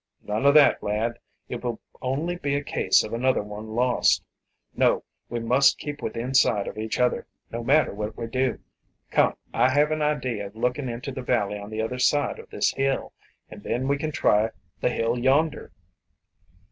"None o' that, lad. It will only be a case of another one lost. No, we must keep within sight of each other, no matter what we do. Come, I have an idea of looking into the valley on the other side of this hill, and then we can try the hill yonder."